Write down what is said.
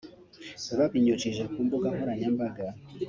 Babinyujije ku mbuga nkoranyambaga